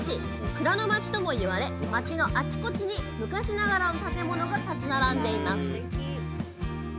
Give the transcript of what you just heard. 「蔵の街」とも言われ街のあちこちに昔ながらの建物が立ち並んでいます